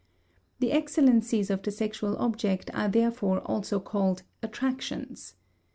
The excellencies of the sexual object are therefore also called "attractions."